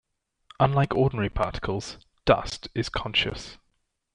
Unlike ordinary particles, Dust is conscious.